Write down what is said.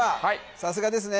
さすがですね